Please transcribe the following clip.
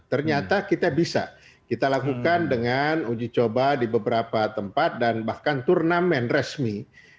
ternyata kita bisa kita lakukan dengan uji coba di beberapa tempat dan bahkan turnamen resmi